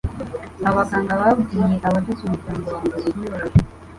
abaganga babwiye abagize umuryango wanjye inkuru ibabaje